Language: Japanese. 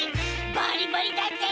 バリバリだぜ！